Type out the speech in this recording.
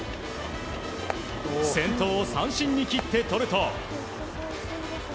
先頭を三振に切ってとると。